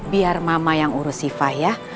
biar mama yang urus sifah ya